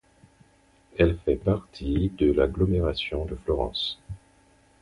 Elle fait partie de l'agglomération de Florence.